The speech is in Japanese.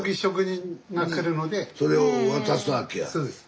そうです。